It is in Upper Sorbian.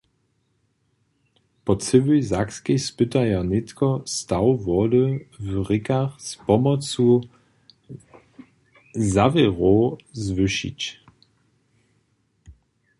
Po cyłej Sakskej spytaja nětko, staw wody w rěkach z pomocu zawěrow zwyšić.